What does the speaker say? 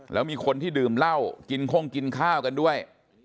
แล้วมีคนที่ดื่มเหล้ากินโค้งกินข้าวกันด้วย